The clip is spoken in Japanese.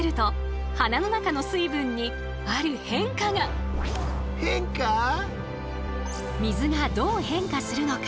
そして水がどう変化するのか？